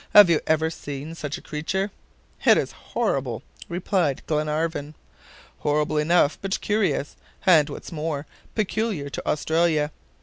"Have you ever seen such a creature?" "It is horrible," replied Glenarvan. "Horrible enough, but curious, and, what's more, peculiar to Australia.